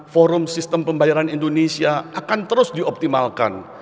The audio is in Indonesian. forum sistem pembayaran indonesia akan terus dioptimalkan